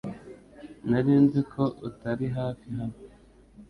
Nari nzi ko utari hafi hano .